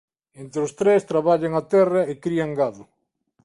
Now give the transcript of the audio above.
Entre os tres traballan a terra e crían gando.